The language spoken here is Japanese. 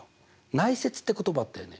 内接って言葉あったよね。